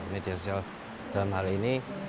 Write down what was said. media sosial dalam hal ini